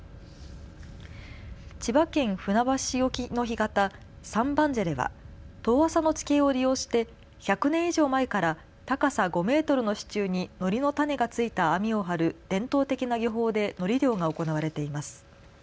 千葉県船橋市沖の干潟、三番瀬では遠浅の地形を利用して１００年以上前から高さ５メートルの支柱にのりの種がついた網を張る伝統的な漁法でのり漁が行われています。